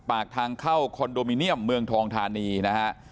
ปากทางเข้าคอนโดมิเนียมเมืองทองธานีนะฮะ